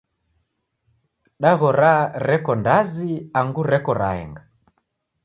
Daghora reko ndazi angu reko raenga?